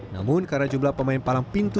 namun karena jumlah pemain palang pintu